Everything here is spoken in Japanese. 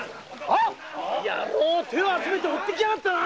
野郎手を集めて追ってきやがったな。